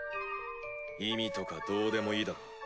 意味とかどうでもいいだろ？